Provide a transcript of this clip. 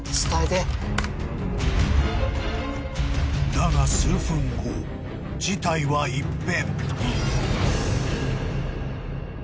［だが数分後事態は一変］